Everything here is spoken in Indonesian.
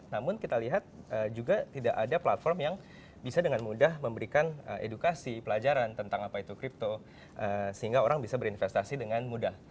namun kita lihat juga tidak ada platform yang bisa dengan mudah memberikan edukasi pelajaran tentang apa itu crypto sehingga orang bisa berinvestasi dengan mudah